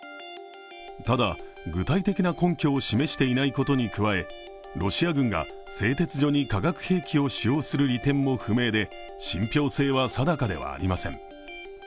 ただ具体的な根拠を示していないことに加え、ロシア軍が製鉄所に化学兵器を使用する利点も不明で信ぴょう性は定かではありません。